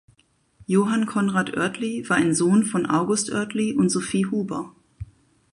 Johann Konrad Oertli war ein Sohn von August Oertli und Sophie Huber.